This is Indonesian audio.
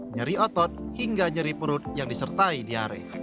nyeri otot hingga nyeri perut yang disertai diare